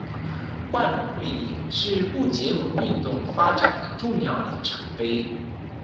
万隆会议是不结盟运动发展的重要里程碑。